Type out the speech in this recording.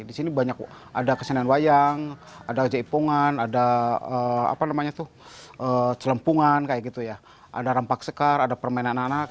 di sini banyak ada kesenian wayang ada ajaipungan ada celempungan ada rampak sekar ada permainan anak anak